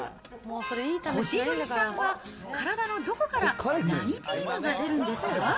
こじるりさんは、体のどこから何ビームが出るんですか？